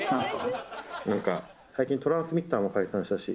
なんか最近トランスミッターも解散したし。